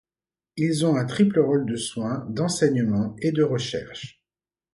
Ils ont un triple rôle de soins, d'enseignement et de recherche.